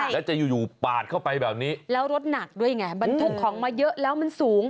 แล้วจะอยู่อยู่ปาดเข้าไปแบบนี้แล้วรถหนักด้วยไงบรรทุกของมาเยอะแล้วมันสูง